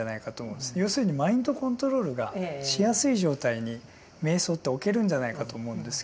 要するにマインドコントロールがしやすい状態に瞑想っておけるんじゃないかと思うんですけど。